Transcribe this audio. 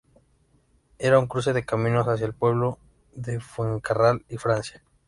Era un cruce de caminos hacia el pueblo de Fuencarral y Francia.